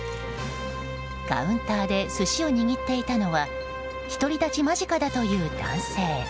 カウンターで寿司を握っていたのは独り立ち間近だという男性。